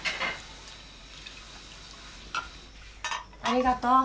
ありがとう。